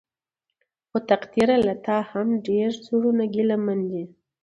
خو تقديره له تا هم ډېر زړونه ګيلمن دي.